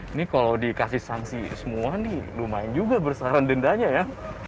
ini kalau dikasih sanksi semua nih lumayan juga besaran dendanya ya